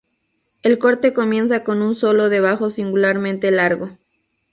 El corte comienza con un solo de bajo singularmente largo.